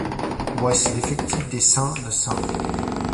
Voici l'effectif des Saints de St.